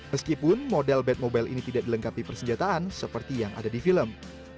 meskipun model bad mobile ini tidak dilengkapi persenjataan seperti yang ada di film